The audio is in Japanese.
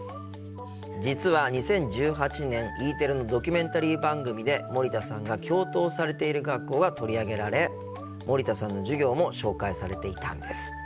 実は２０１８年Ｅテレのドキュメンタリー番組で森田さんが教頭をされている学校が取り上げられ森田さんの授業も紹介されていたんです。